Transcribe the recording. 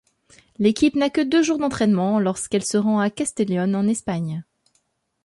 L’équipe n’a que deux jours d’entrainement lorsqu'elle se rend à Castellón en Espagne.